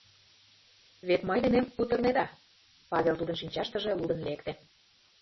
Вет мый денем кутырынеда», — Павел тудын шинчаштыже лудын лекте.